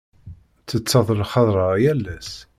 Ttetteḍ lxeḍra yal ass?